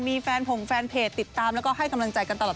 มีแฟนผงแฟนเพจติดตามแล้วก็ให้กำลังใจกันตลอด